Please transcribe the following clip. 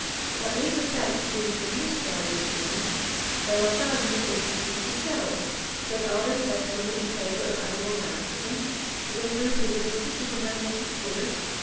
That these effects have been produced by these means, there are thousands of instances to shew. But are they testimony in favour of animal magnetism? do they prove the existence of the magnetic fluid?